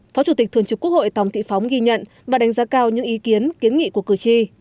phó chủ tịch thường trực quốc hội tòng thị phóng ghi nhận và đánh giá cao những ý kiến kiến nghị của cử tri